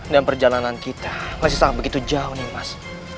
dan perjalanan kita masih sangat begitu jauh nih mas